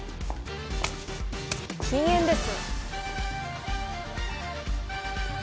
禁煙です。